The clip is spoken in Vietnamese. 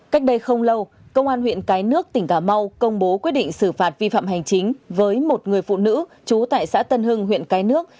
cách đây không lâu công an huyện cái nước tỉnh cà mau công bố quyết định xử phạt vi phạm hành chính với một người phụ nữ trú tại xã tân hưng huyện cái nước